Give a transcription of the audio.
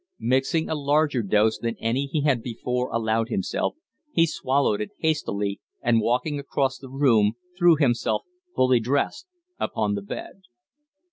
Mixing a larger dose than any he had before allowed himself, he swallowed it hastily, and, walking across the room, threw himself, fully dressed, upon the bed.